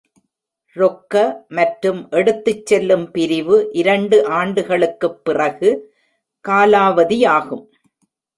ரொக்க-மற்றும்-எடுத்துச் செல்லும் பிரிவு இரண்டு ஆண்டுகளுக்குப் பிறகு காலாவதியாகும்.